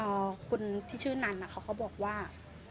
อ่าคุณที่ชื่อนั้นอ่ะเขาก็บอกว่า